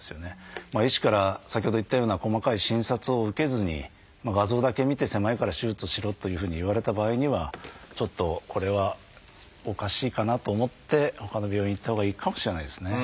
医師から先ほど言ったような細かい診察を受けずに画像だけ見て狭いから手術をしろというふうに言われた場合にはちょっとこれはおかしいかなと思ってほかの病院へ行ったほうがいいかもしれないですね。